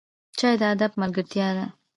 چای د ادب ملګرتیا ده